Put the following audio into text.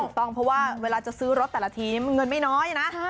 ต้องเพราะว่าเวลาจะซื้อรถแต่ละทีมันเงินไม่น้อยนะ